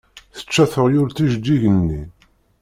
Tečča teɣyult ijeǧǧigen-nni.